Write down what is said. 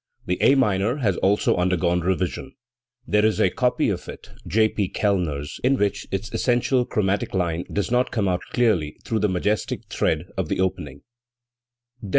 The A minor has also undergone revision. There is a copy of it J, P. KeUner's in which its essential chrom atic line does not come out clearly through the majestic tread of the opening, B. G.